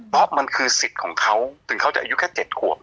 เพราะมันคือสิทธิ์ของเขาถึงเขาจะอายุแค่๗ขวบ